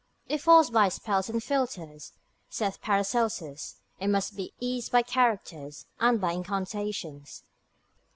If forced by spells and philters, saith Paracelsus, it must be eased by characters, Mag. lib. 2. cap 28. and by incantations.